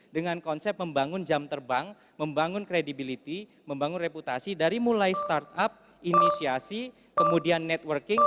dengan konsep membangun jam terbang membangun credibility membangun reputasi dari mulai startup inisiasi kemudian networking